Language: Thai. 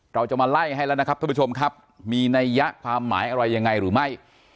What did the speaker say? เราจะมาไล่ให้แล้วนะครับท่านผู้ชมครับมีนัยยะความหมายอะไรยังไงหรือไม่